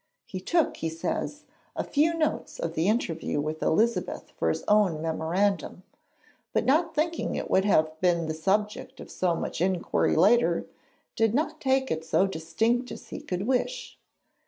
He took, he says, a few notes of the interview with Elizabeth for his own memorandum, but 'not thinking it would have been the subject of so much inquiry later, did not take it so distinct as he could wish.'